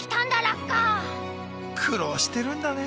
苦労してるんだね。